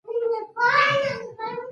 دلته هیڅ جرم نه بښل کېږي.